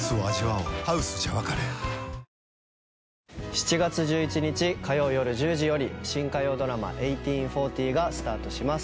７月１１日火曜夜１０時より新火曜ドラマ「１８／４０」がスタートします